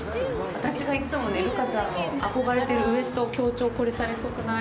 私がいつも留伽ちゃんの憧れてるウエストを強調、これ、されそうくない？